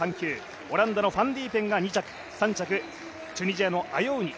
オランダのファン・ディーペンが２着３着、チュニジアのアヨウニ